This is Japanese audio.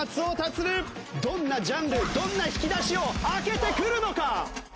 どんなジャンルどんな引き出しを開けてくるのか！？